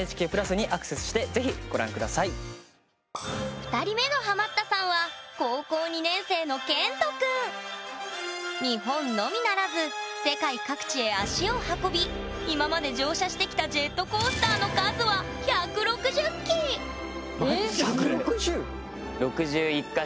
２人目のハマったさんは日本のみならず世界各地へ足を運び今まで乗車してきたジェットコースターの数はすっご！